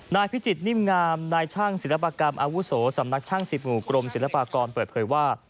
พิจิตรนิ่มงามนายช่างศิลปกรรมอาวุโสสำนักช่าง๑๐หมู่กรมศิลปากรเปิดเผยว่า